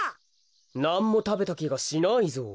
なんもたべたきがしないぞう。